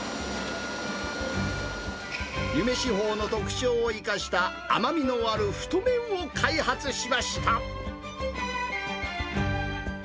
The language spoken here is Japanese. ユメシホウの特徴を生かした甘みのある太麺を開発しました。